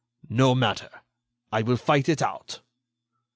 "No matter; I will fight it out."